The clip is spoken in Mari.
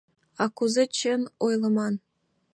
— А кузе чын ойлыман?